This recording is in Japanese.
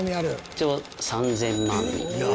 一応３０００万に。